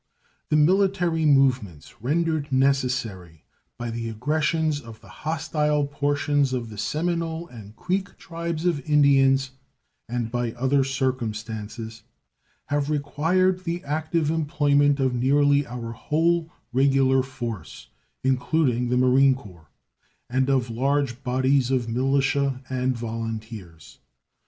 The military movements rendered necessary by the aggressions of the hostile portions of the Seminole and Creek tribes of Indians, and by other circumstances, have required the active employment of nearly our whole regular force, including the Marine Corps, and of large bodies of militia and volunteers.